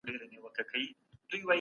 استازي څنګه د خبرو له لاري شخړي حلوي؟